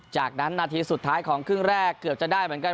จากนั้นนาทีสุดท้ายของครึ่งแรกเกือบจะได้เหมือนกัน